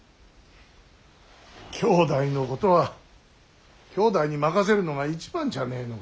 兄弟のことは兄弟に任せるのが一番じゃねえのかな。